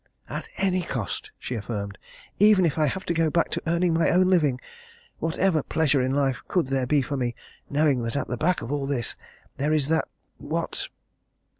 "At any cost!" she affirmed. "Even if I have to go back to earning my own living! Whatever pleasure in life could there be for me, knowing that at the back of all this there is that what?"